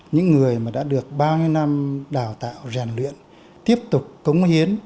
những người mà đã được bao nhiêu năm đào tạo rèn luyện tiếp tục cống hiến